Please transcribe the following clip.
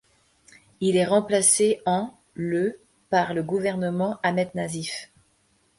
Il est remplacé en le par le gouvernement Ahmed Nazif.